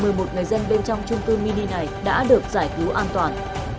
một mươi một người dân bên trong trung cư mini này đã được giải cứu an toàn